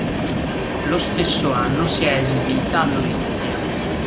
Lo stesso anno si è esibita all'Olympia.